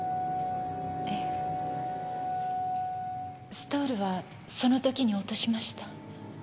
ストールはその時に落としました。